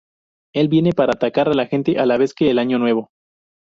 Él viene para atacar a la gente a la vez que el año nuevo.